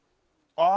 ああ。